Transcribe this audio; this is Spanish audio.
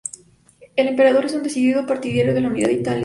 El emperador es un decidido partidario de la unidad de Italia.